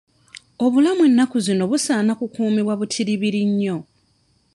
Obulamu ennaku zino busaana kukuumibwa butiribiri nnyo.